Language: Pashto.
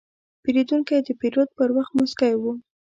پیرودونکی د پیرود پر وخت موسکی و.